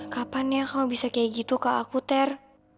kapan ya kamu bisa kayak gitu kak aku ter